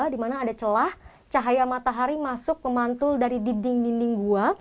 di mana ada celah cahaya matahari masuk memantul dari dinding dinding gua